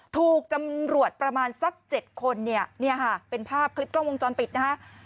ถูกตำรวจประมาณสัก๗คนเนี่ยค่ะเป็นภาพคลิปกล้องวงจรปิดนะฮะ